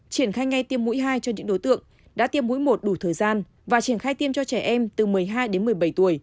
triển khai ngay tiêm mũi hai cho những đối tượng đã tiêm mũi một đủ thời gian và triển khai tiêm cho trẻ em từ một mươi hai đến một mươi bảy tuổi